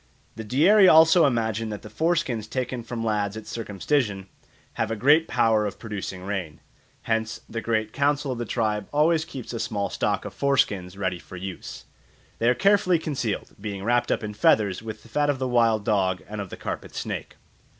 The Dieri also imagine that the foreskins taken from lads at circumcision have a great power of producing rain. Hence the Great Council of the tribe always keeps a small stock of foreskins ready for use. They are carefully concealed, being wrapt up in feathers with the fat of the wild dog and of the carpet snake.